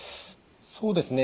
そうですね